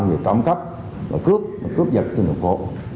người tổng cấp cướp cướp vật trên đường phố